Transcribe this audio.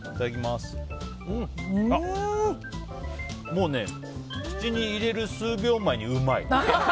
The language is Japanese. もうね、口に入れる数秒前にうまい。